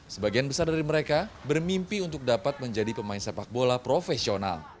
sebagian besar dari mereka bermimpi untuk dapat menjadi pemain sepak bola profesional